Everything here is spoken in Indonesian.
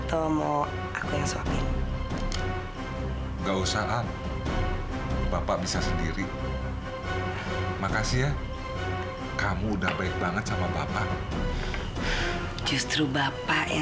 sampai jumpa di video selanjutnya